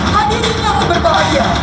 hadirin yang berbahagia